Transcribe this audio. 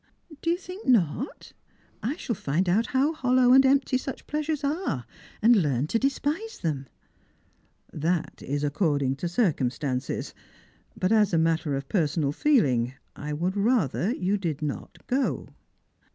" Do you think not ? I shall find out how hollow and empty such pleasures are, and learn to despise them." " That is according to circumstances. But as a matter of per sonal feeling, I would rather you did not go."